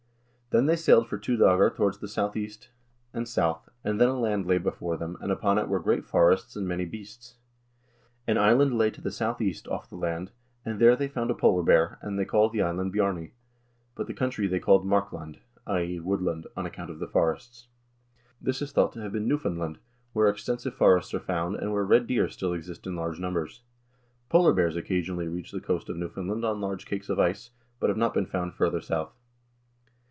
Then they sailed for two doegr towards the southeast and south, and then a land lay before them, and upon it were great forests and many beasts. An island lay to the southeast off the land, and there they found a polar bear, and they called the island "Bjarney"; but the country they called "Markland" {i.e. Woodland) on account of the forests. This is thought to have been Newfoundland, where extensive forests are found, and where red deer still exist in large numbers. Polar bears occasionally reach the coast of Newfoundland on large cakes of ice, but have not been found farther south.